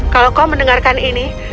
kalau kau mendengarkan ini